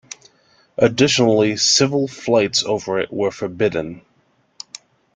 Additionally, civil flights over it were forbidden.